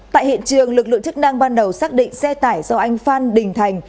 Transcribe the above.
tại hiện trường lực lượng chức năng ban đầu xác định xe tải do anh phan đình thành